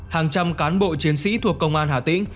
hàng trăm cán bộ chiến sĩ thuộc công an hà tĩnh